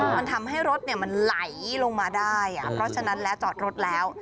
มันทำให้รถมันไหลลงมาได้เพราะฉะนั้นแล้วจอดรถแล้ว